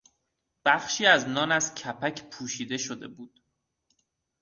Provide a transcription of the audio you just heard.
بخشی از نان از کپک پوشیده شده بود.